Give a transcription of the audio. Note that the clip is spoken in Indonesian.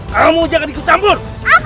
kamu jangan ikut campur